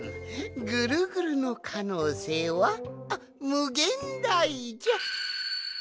ぐるぐるのかのうせいはむげんだいじゃ！